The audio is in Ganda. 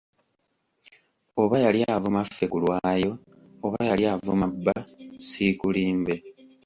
Oba yali avuma ffe kulwayo, oba yali avuma bba, ssiikulimbe.